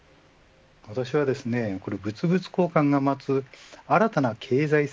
私はこれ、物々交換が持つ新たな経済性